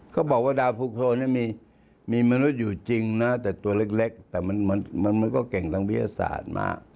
เขาบอกว่าดาวภูโครนมีมนุษย์อยู่จริงนะแต่ตัวเล็กแต่มันก็เก่งทางวิทยาศาสตร์มา